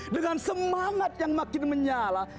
dengan semangat yang makin menyala